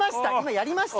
やりました、